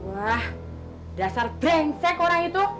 wah dasar brengsek orang itu